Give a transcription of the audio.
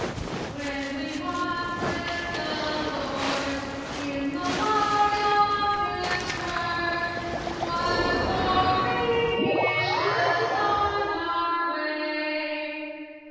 When we walk with the Lord in the light of His Word, What a glory He sheds on our way!